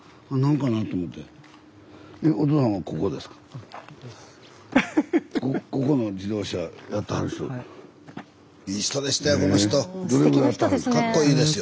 かっこいいですよ。